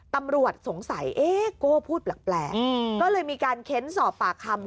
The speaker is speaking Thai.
ตำรวจสงสัยเอ๊โก้พูดแปลกก็เลยมีการเค้นสอบปากคำ